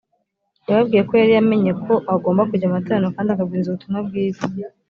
yababwiye ko yari yamenye ko agomba kujya mu materaniro kandi akabwiriza ubutumwa bwiza